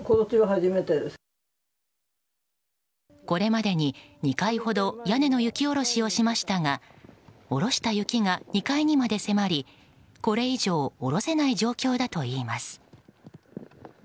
これまでに２回ほど屋根の雪下ろしをしましたが下ろした雪が２階にまで迫りこれ以上下ろせない状況だといいます。